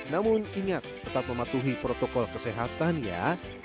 namun ingat tetap mematuhi protokol kesehatan ya